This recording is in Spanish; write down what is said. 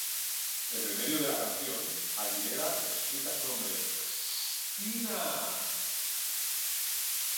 En el medio de la canción, Aguilera explica su nombre: "X-x-x-t-t-t-i-i-i-n-n-n-n-n-a".